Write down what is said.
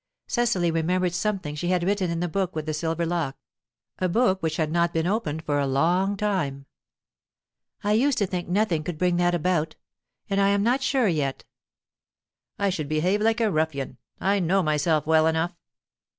Cecily remembered something she had written in the book with the silver lock a book which had not been opened for a long time. "I used to think nothing could bring that about. And I am not sure yet." "I should behave like a ruffian. I know myself well enough."